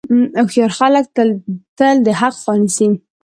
هوښیار خلک تل د حق خوا نیسي.